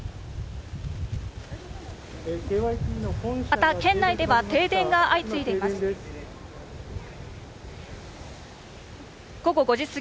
また県内では停電が相次いでいます。